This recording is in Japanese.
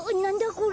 これ。